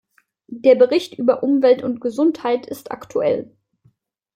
Der Bericht über Umwelt und Gesundheit ist aktuell.